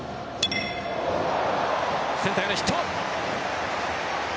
センターへのヒット。